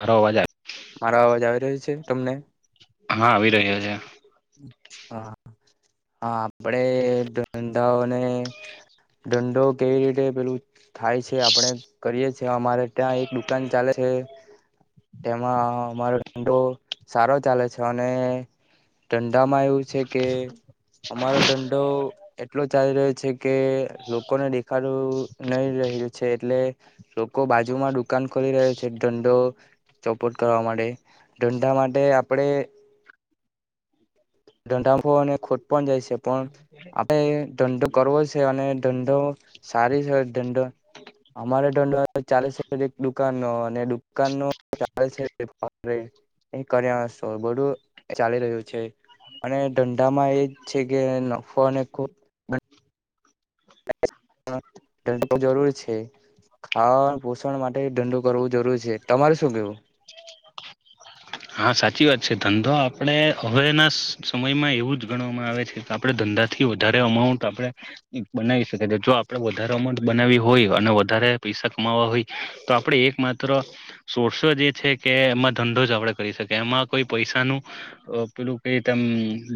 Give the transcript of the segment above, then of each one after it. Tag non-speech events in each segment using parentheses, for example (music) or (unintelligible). મારો અવાજ આવે મારો અવાજ આવી રહ્યો છે તમને હા આવી રહ્યો છે હા હા આપડે ધંધાઓને દંડો કેવી રીતે પેલું થાય છે આપડે કરીએ છેએ અમારે ત્યાં એક દુકાન ચાલે છે. હ તેમાં અમારો રડો સારો ચાલે છે અને ધંડા માં એવું છે કે અમારો દંડો એટલો ચાલી રહ્યો છે કે લોકોને દેખાડું નહી છે એટલે લોકો બાજુમાં દુકાન ખોલી રહ્યા છે ધંડો ચોપોટ કરવા માટે ધંંધા માટે આપણેે ધંધફો અને ખોટ પણ જાય છે પણ આપણે ધંધો કરવો છે અને ધંધો સારી છે દંડો અમારે ધંધો ચાલે છે એક દુકાન ન અને દુકાન ન ચાલે છે. એ કર્યાસો બડું ચાલી રહ્યું છે અને ધંધામાં એજ છે કે નફો અને ખ એ જરૂરી છે ખાવાણ પોષણ માટે ધંધો કરવું જરૂર છે તમારે શું કેવું (inaudible) હા સાચી વાત છે ધંધો આપડે હવેના સમયમાં એવું જ ગણવામાં આવે છે કે આપણે ધંધો થી વધારે અમાઉન્ટ આપણે બનાવી શકીએ જો આપણે વધારે અમાઉન્ટ બનાવી હોય અને વધારે પૈસા કમાવા હોય તો આપણેે એક માત્ર સોર્સો જ છે કે એમાં ધંધો જ આપણેે કરી શકાય એમાં કોઈ પૈસાનું અ પેલું કે તેમ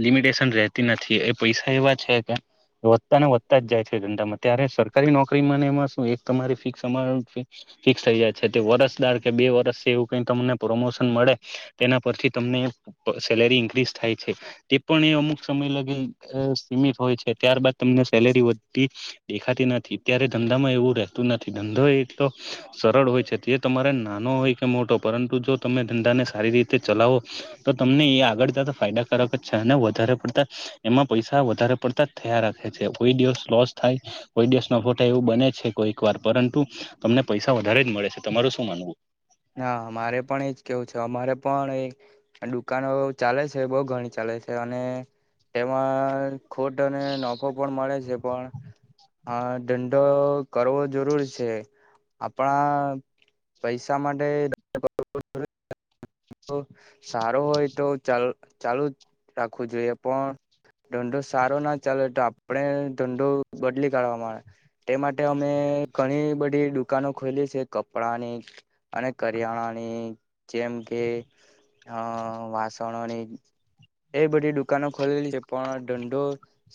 લિમિટેશન રેતી નથી એ પૈસા થઇવા છે કે વધતા ને વધતા જ જાય છે ધંધામાં ત્યારે સરકારી નોકરી ને એમાં શું એક તમારી ફિક્સ અમાર ફિક્સ ફિક્સ થઇ જાય છે તે વરસદાર કે બે વરસ એવું કઈ તમને પ્રોમોશન મળે તેના પરથી તમને સેલેરી ઇન્ક્રીઝ થાય છે તે પણ એ અમુક સમય લગન અ સીમિત હોય છે ત્યારબાદ તમને સેલેરી વધતી દેખાતી નથી ત્યારે ધંધામાં એવું રહેતું નથી ધંધો એ તો સરળ હોય છે તે તમારે નાનો હોય કે મોટો પરંતુ જો તમે ધંધાને સારી રીતે ચલાવો તો તમને એ આગળ જતા ફાયદાકારક જ છેને અને વધારે પડતા એમાં પૈસા વધારે પડતા થયા રાખે છે કોઈ દિવસ લોસ થાય કોઈ દિવસ નફો થાય એવું બને છે કોઈક વાર પર. પરંતુ તમને પૈસા વધારે જ મળે છે તમારું શું માનવું. ના મારે પણ એજ કેવું છે અમારે પણ એ દુકાનો ચાલે છે બહ ઘણી ચાલે. અને તેમાં ખોટ અને નફો પણ મળે છે. (inaudible) હા ધંધો કરવો જરૂર છે આપણા પૈસા. શા માટે. સારો હોય તો ચાલ ચાલુ જ રાખવું જોઈએ પણ. ધંધો સારો ના ચાલે તો આપણે ધંધો બદલી કાઢવાવામાં આવેે તે માટે અમે. ઘણી બધી દુકાનો ખોલી છે કપડાની અને કરિયાણાની જે. જેમ કે અ વાસણોની. એ બધી દુકાનો ખોલેલી છે પણ ધંધો.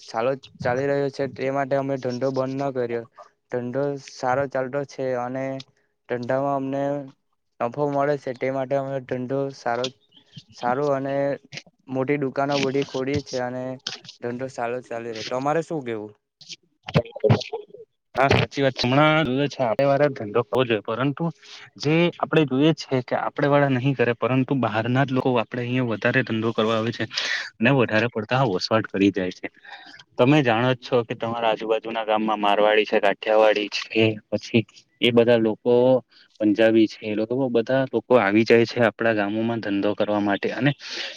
સાલો ચાલી રહ્યો છે તે એ માટે અમે ધંધો બંધ ન કર્યો ધંધો. સારો ચાલતો છે અને ધંધામાં અમને. નફો મળે છે તે માટે અમે ધંધો સારો સારો અને. મોટી દુકાનો બધી ખોડીએજ છે અને. ધંધો સારો ચાલી રહ્યો તમારે શું કેવું. હ (unintelligible) હા સાચી વાત છે હમણાં જોવે છે આપડે વારે ધંધો હોવો જોઈએ પરંતુ જે આપડે જોઈએ. છે કે આપડે વાળા નહીં કરે પરંતુ બહાર ના જ લોકો આપડે અહીયા વધારે ધંધો. કરવા આવે છે અને વધારે પડતા વસવાટ કરી જાય છે. તમે જાણો જ છો કે તમારા આજુબાજુ. જુના ગામમાં મારવાડી છે કાઠિયાવાડી છે પછી એ બધા લોકો પંજાબી. છે એ લોકો બધા લોકો આવી જાય છે આપડા ગામોમાં ધંધો કરવા માટે અને.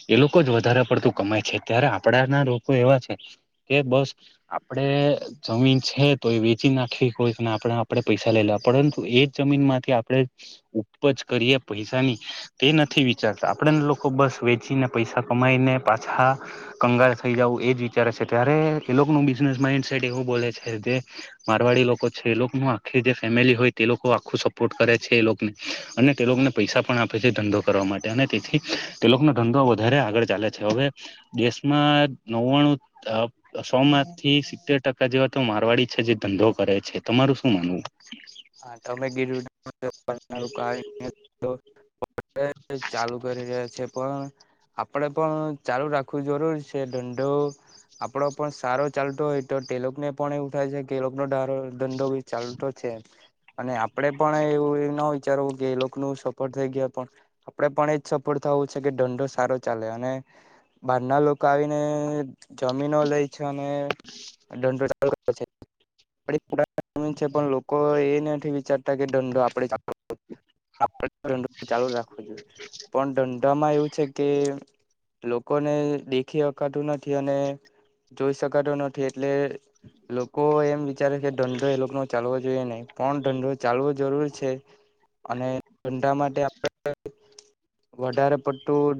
એ લોકો જ વધારે પડતું કમાય છે ત્યારે આપણા ના લોકો એવા છે. કે બસ આપડે. જમીન છે તો એ વેચી નાખવી કોઈને આપણે આપણે પૈસા લઈ લેવા પરંતુ એ જ જમીન માંથી આપણે. ઉપજ કરીએ પૈસાની તે નથી વિચારતા આપડેને લોકો બસ વેચીને પૈસા કમા. માઈને પાછા કંગાળ થઈ જાઉં એ જ વિચારે છે ત્યારે એ લોકોનું બિઝનેસ માઈન્ડ. એવું બોલે છે જે મારવાડી લોકો છે એ લોકો ન આખી જે ફેમિલી હોય તે લોકો આખું સપોર્ટ કરે છે. છે એ લોગને અને તે લોકોને પૈસા પણ આપે છે ધંધો કરવા માટે અને તેથી તે લોકોનો ધંધો વધારે. આગળ ચાલે છે હવે દેશમાં નવ્વાણું અ સો માંથી સિત્તેર ટકા. જેવા તો મારવાડી છે જે ધંધો કરે છે તમાર શું માનવું. હા તમે ગીર. ચાલુ કરી રહ્યા છે. પણ આપણેે પણ ચાલુ રાખવું જરૂર છે ધંધો આપણો પણ સારો. ચાલતો હોય તો તેલોક ને પણ એવું થાય છે કેલો નો ધંધો બી ચાલતો છે. અને આપડે પણ એવું ના વિચારવું કે એ લોકો ન સપોર્ટ થઈ ગયા પણ આપડે પણ એજ સપોટ. થવું છે કે દંડો સારો ચાલે અને બહાર ના લોકો આવીને જમીનો લે છે અને દંડો ચાલુ રાખે છે. જ છે પણ લોકો એ નથી વિચારતા કે દંડો આપદે ચા આપડે ચાલુ રાખવો જોઈએ પણ ધંધામાં એવું છે કે લોકોને દેખી અકાતું નથી અને જોઈ શકાતો નથી એટલે લોકો એમ અત્યારે ધંધો એ લોકો નો ચાલવો જોઈએ નહીં. પણ ધંંધો ચાલવો જરૂરી છે અને ધંધા માટે આપડે વધારે પડતું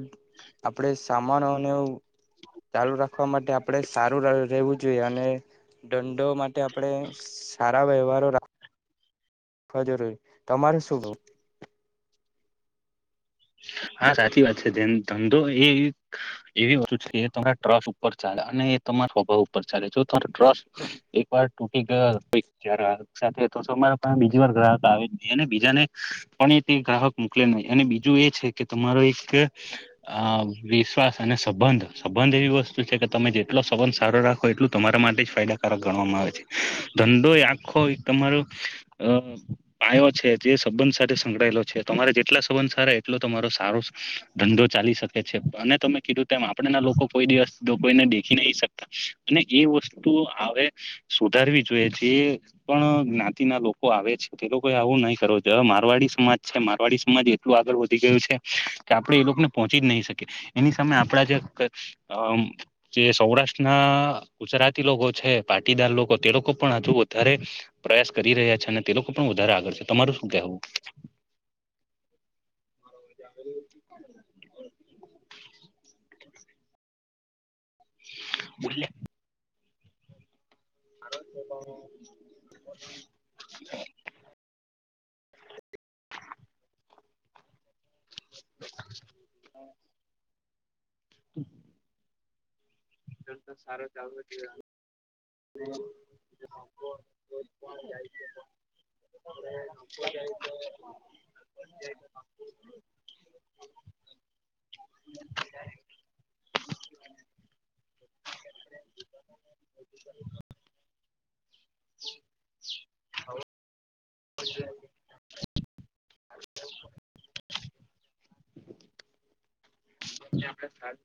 આપડે સામાન ચાલુ રાખ રાખવા માટે આપડણે સારું રહેવું જોઈએ અને ધંધો માટે આપણે સારા વ્યવહારો રાખ જરૂરી તમારે શું કેવું. (inaudible) હા સાચી વાત છે ધંધો એ એવી વસ્તુ છે કે તમારા ટ્રસ ઉપર ચાલે અને એતો તમાર સ્વભાવ ઉપર ચાલે જો તમા ટ્રસ્ટ એક વાર તૂટી ગયો સાથે તોરે પણ બીજી વાર ગ્રાહક આવે જ અને બીજાને પણ તે ગ્રાહક મોકલે નહીં અને બીજી બીજુ એ છે કે તમારો એક વિશ્વાસ અને સંબંધ સંબંધ એવી વસ્તુ છે. તમે જેટલો સંબંધ સારો રાખો એટલું તમારા માટે જ ફાયદાકારક ગણવામાં આવે છે ધંધો આખો તમારો અ પાયો છે તે સંબંધ સાથે સંકળાયેલો છે તમારે જેટલા સંબંધ સારા એટલો તમારો સારો ધંધો ચાલી શકે છે અને તમે કીધું તેમ આપણે ના લોકો કોઈ દિવસ કોઈને દેખી નહી શકતા અને એ વસ્તુ હવે સુધારવી જોઈએ છે પણ જ્ઞાતિ ના લોકો આવે છે તે લોકો આવું નહીં કરો જો મારવાડી સમાજ છે મારવાડી સમાજ એટલું આગળ વધ ગયું છે કે આપડે એ લોકોને પહોંચી જ નહી શકીએ એની સામે આપડા જે જે સૌરાષ્ટ્ર ના ગુજરાતી લોકો છે પાટીદાર લોકો તે લોકો પણ હજુ વધારે પ્રયાસ કરી રહ્યા છે અને તે લોકો પણ વધારે આગળ છે તમારું શું કેવું. (unintelligible) બોલને. (inaudible) (inaudible) (inaudible) હમ્મ. ધંધો તો સારો ચાલવો જ જોઈએ. રો જાય છે. ધંધો ચાલવો જોઈએ (inaudible) (inaudible) (inaudible) (inaudible) આપણા સાથ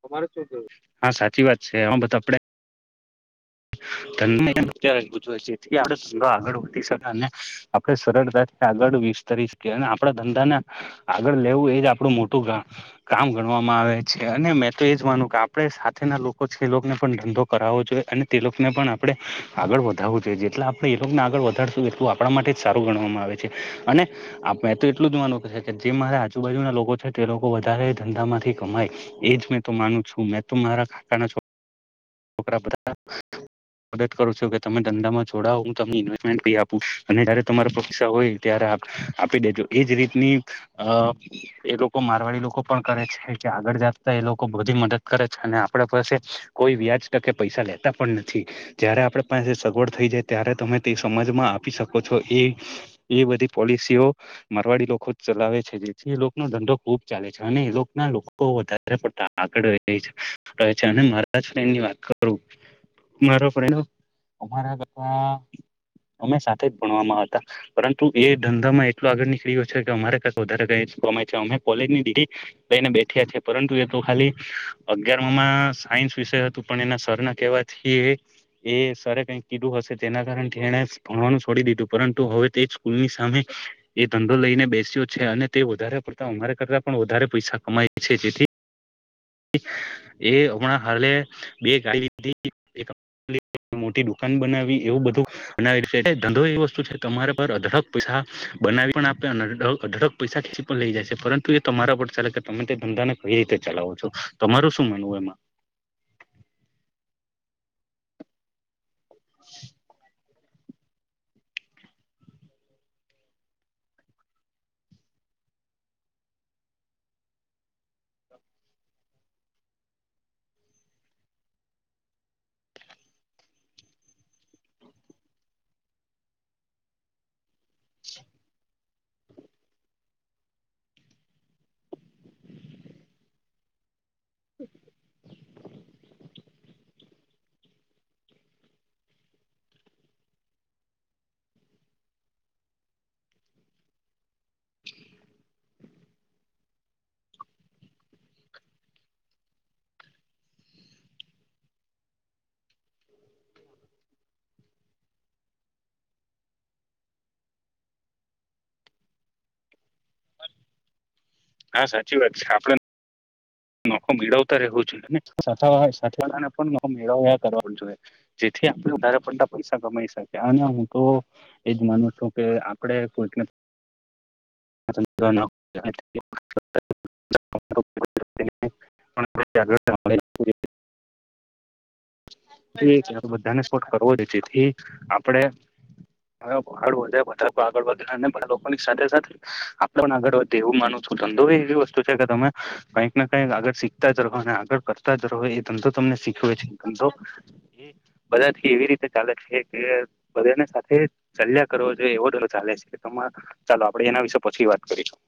તમારે શું છે હા સાચી વાત છે હ બધા આપડે ધંધા અત્યારેથી આપ ધંધો આગળ વધી શકે અને આપે સરળતા આગળ વીસ ત્રીસ કે અને આપડા ધંધા ને આગળ લેવું એજ આપડું મોટું કામ ગણવાનું. આવે છે અને મેં તો એજ માનું કે આપણે સાથે ના લોકો છે એ લોકોને પણ ધંધો કરાવવો જોઈએ અને તે લોકોને પણ આપડણે આગળ વધાવવું જોઈએ જેટલા આપણે એ લોકોને આગળ વધારશું એટલું આપણા માટે જ સારું ગણવામાં આવે. અને મેં તો એટલું જોવાનું કે જે મારા આજુબાજુ ના લોકો છે તે લોકો વધારે ધંધામાં માંથી કમાય એજ મેં માનું છું મે મારા કાકા ના છો છોકરા બધા મદદ કરો છો કે તમે ધંધામાં જોડાવો હું તમને ઇન્વેસ્ટમેન્ટ બી આપું અને જયારે તમારા પૈક્સા હોય ત્યારે આપી દેજો એજ રીતની અ એ લોકો મારવાડી લોકો પણ કરે છે કે આગળ એ લોકો બધી મદદ કરે છે અને આપડા પાસે કોઈ વ્યાજ કે પૈસા લેતા પણ નથી જયારે આપડા પાસે સગવડ થઈ જાય ત્યારે તમે તે સમાજમાં આપી શકો છો. તો એ એ બધી પોલિસીઓ મારવાડી લોકો ચલાવે છે જેથી એ લોકોનો ધંધો ખૂબ ચાલે છે અને એ ના લોકો વધારે આગળ છે છે અને મારા (unintelligible) વાત. (unintelligible) અમારા ઘરમાં અમે સાથે જ ભણવામાં હતા પરંતુ એ ધંધામાં એટલું આગળ નીકળી ગયો છે કે અમારે કંઈક વધારે કયા અમે કોલેજની ડિગ્રી લઈને બેઠ્યા છે પરંતુ એ તો ખાલી અગિયારમા સાયન્સ વિષય હતું. પણ એના સરના કહેવાથી એ સરે કઈ કીધું હશે તેના કારણે એને ભણવાનું છોડી પરંતુ હવે તે સ્કૂલની સામે એ ધંધો લઈને બેસ્યો છે અને તે વધારે પડતા અમારે પણ વધારે પૈસા કમાય છે જેથી- એ હમણાં હાલે બે ગાડી લીધી. મોટી દુકાન બનાવી એવું બધું બનાવી છે ધંધો એ વસ્તુ છે તમારા પર અધડક પૈસા બનાવી પણ આપ અઢળક પૈસા‌ ખેંચી લઈ જાય પરંતુ એ તમારા પર ચાલે કે તમે ધંધા ના કઈ રીતે ચલાવો છો તમારું શું માનવું એમાં (inaudible) હા સાચી વાત છે આપણે નખો મેળવતા રહેવું જોઈએ ને સા સાવાળાને પણ ન મેળવ્યા કરવા જોઈએ જે આપ વધારે પડતા પૈસા કમાઈ શકે અને હું તો એજ માનું છું કે આપણે કોઈકને. (unintelligible) (unintelligible) એ બધાને સપોર્ટ કરવો જ થી આપડે હ પાડ વધે વધ આગળ વધે પણ લોકોની સાથે સાથે આપડે પણ આગળ વધે એવું માનું ધંધો એવી વસ્તુ છે કે તમે કંઈક ના કંઈક આગળ શીખતા જ રહો અને આગળ કરતા જ રહો એ ધંધો તમને શીખવે છે ધંધો એ બધા થી એવી રીતે ચાલે છે કે બધાને સાથે ચાલ્યા કરો જોઈએ એવોર્ડ ચાલે છે કે ચાલો આપડે એના વિશે પછી વાત કરીશું.